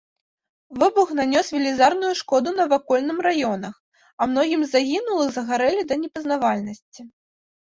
Выбух нанёс велізарную шкоду навакольным раёнах, а многім з загінулых згарэлі да непазнавальнасці.